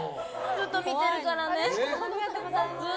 ずっと見てるから。